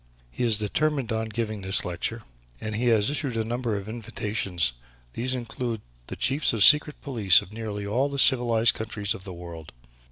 He is determined on giving this lecture and he has issued a number of invitations. These include the Chiefs of the Secret Police of nearly all the civilized countries of the world.